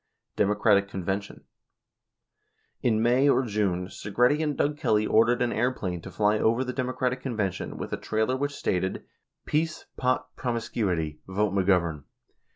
Democratic Convention: In May or June, Segretti and Doug Kelly ordered an airplane to fly over the Democratic Convention with a trailer which stated, "Peace, Pot, Promiscuity. Vote McGovern."